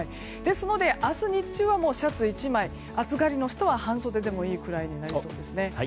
明日日中はシャツ１枚、暑がりの人は半袖でいいくらいになりそうです。